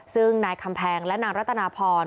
ซึ่งนายคำแพงและนางรัตนาพร